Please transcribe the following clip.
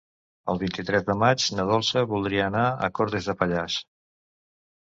El vint-i-tres de maig na Dolça voldria anar a Cortes de Pallars.